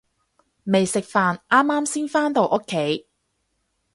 未食飯，啱啱先返到屋企